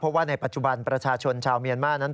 เพราะว่าในปัจจุบันประชาชนชาวเมียนมาร์นั้น